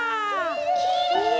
きれい！